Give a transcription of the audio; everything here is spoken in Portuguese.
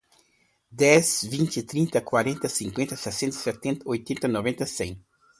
dez, vinte, trinta, quarenta, cinquenta, sessenta, setenta, oitenta, noventa, cem.